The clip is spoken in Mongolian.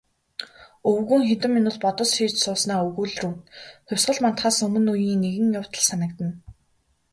Өвгөн хэдэн минут бодос хийж сууснаа өгүүлрүүн "Хувьсгал мандахаас өмнө үеийн нэгэн явдал санагдана".